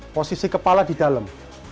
posisi kepala di dalam